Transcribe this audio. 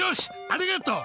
ありがとう！